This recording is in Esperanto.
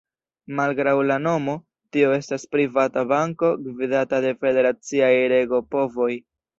Malgraŭ la nomo tio estas privata banko gvidata de federaciaj regopovoj.